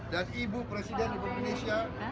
dan ibu presiden republik indonesia